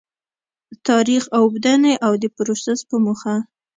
تار اوبدنې او د پروسس په موخه.